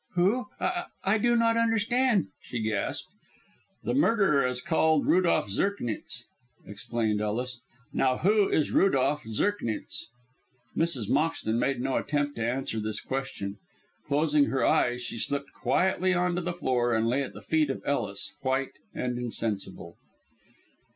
Who? I I do not understand," she gasped. "The murderer is called Rudolph Zirknitz," explained Ellis. "Now, who is Rudolph Zirknitz?" Mrs. Moxton made no attempt to answer this question. Closing her eyes she slipped quietly on to the floor, and lay at the feet of Ellis, white and insensible.